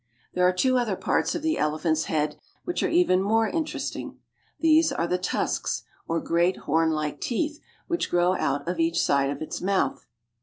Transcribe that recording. There are two other parts of the elephant's head which are even more interesting. These are the tusks, or great hornUke teeth, which grow out of each side of its mouth.